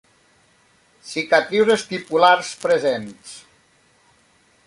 Cicatrius estipulars presents.